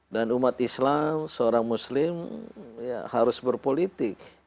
dan umat islam seorang muslim harus berpolitik